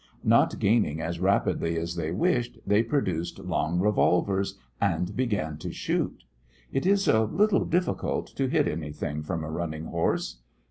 Not gaining as rapidly as they wished, they produced long revolvers and began to shoot. It is a little difficult to hit anything from a running horse.